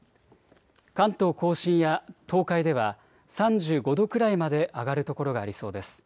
関東甲信や東海では３５度くらいまで上がる所がありそうです。